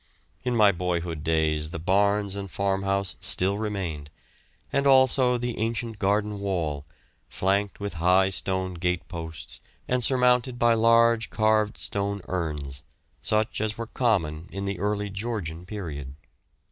In my boyhood days the barns and farm house still remained, and also the ancient garden wall, flanked with high stone gate posts and surmounted by large carved stone urns, such as were common in the early Georgian period.